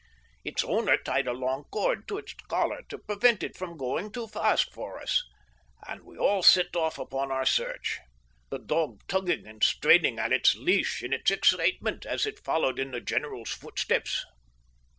Its owner tied a long cord to its collar to prevent it from going too fast for us, and we all set off upon our search, the dog tugging and straining at its leash in its excitement as it followed in the general's footsteps.